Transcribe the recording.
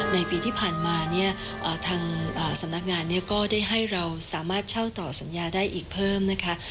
ในปีที่ผ่านมาเนี่ยทางสำนักงานเนี่ยก็ได้ให้เราสามารถเช่าต่อสัญญาได้อีกเพิ่มนะคะ